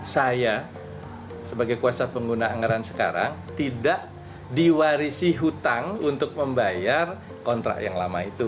saya sebagai kuasa pengguna anggaran sekarang tidak diwarisi hutang untuk membayar kontrak yang lama itu